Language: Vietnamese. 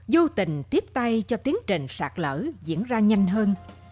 vô tình tiếp tay cho tiến trình sạt lở diễn ra nhanh hơn